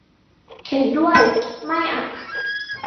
เห็นด้วย ไม่อ่ะ